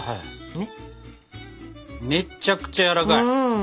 めっちゃくちゃやわらかい。